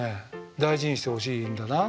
大事にしてほしいんだな。